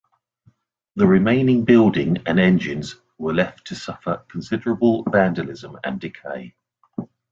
The remaining building and engines were left to suffer considerable vandalism and decay.